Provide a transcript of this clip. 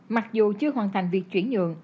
mặc dù chưa hoàn thành việc chuyển nhượng